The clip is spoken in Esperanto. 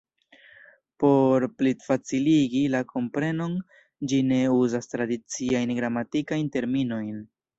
Por plifaciligi la komprenon, ĝi ne uzas tradiciajn gramatikajn terminojn.